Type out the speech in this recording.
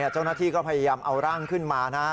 เจ้าหน้าที่ก็พยายามเอาร่างขึ้นมานะ